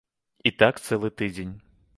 І так цэлы тыдзень.